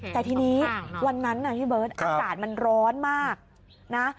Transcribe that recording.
แต่ทีนี้วันนั้นน่ะพี่เบิร์ตอากาศมันร้อนมากนะ